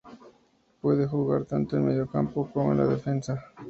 Puede jugar tanto en el mediocampo como en la defensa.